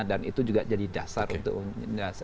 dan itu juga jadi dasar untuk